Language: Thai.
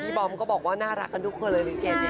พี่บอมก็บอกว่าน่ารักกันทุกคนเลยลิเกย์เด็กน้า